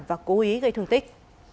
và cố ý gây thương tích